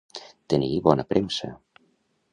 Tenir bona premsa.